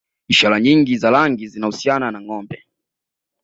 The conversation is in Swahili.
Ishara nyingi za rangi zinahusiana na Ngombe